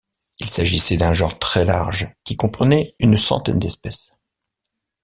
Il s'agissait d'un genre très large qui comprenait une centaine d'espèces.